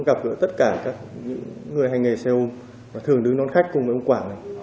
tại đây là những người hành nghề xe ôm thường đứng đón khách cùng với ông quảng